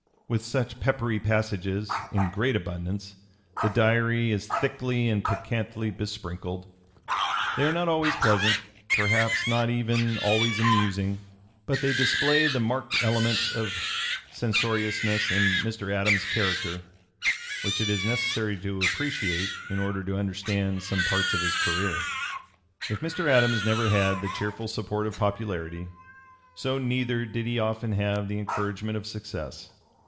With such peppery passages in great abundance the Diary is thickly and piquantly besprinkled. They are not always pleasant, perhaps not even always amusing, but they display the marked element of censoriousness in Mr. Adams's character, which it is necessary to appreciate in order to understand some parts of his career. If Mr. Adams never had the cheerful support of popularity, so (p. 301) neither did he often have the encouragement of success.